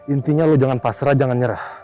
intinya lo jangan pasrah jangan nyerah